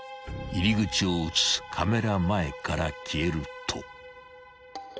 ［入り口を写すカメラ前から消えると］